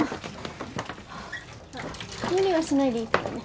あっ無理はしないでいいからね。